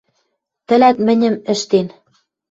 Тӹлӓт мӹньӹм ӹштен